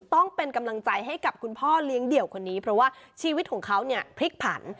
ต้องเป็นกำลังใจให้กับคุณพ่อเลี้ยงเดี่ยวคนนี้เพราะว่าชีวิตของเขาเนี่ยพลิกผัน